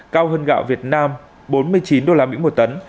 cao hơn gạo việt nam bốn mươi chín usd một tấn